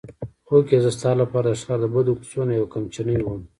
هوکې زه ستا لپاره د ښار د بدو کوڅو نه یوه کمچنۍ وم.